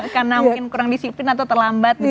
karena mungkin kurang disiplin atau terlambat